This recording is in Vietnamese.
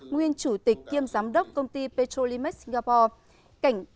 nguyên chủ tịch kiêm giám đốc công ty petrolimax singapore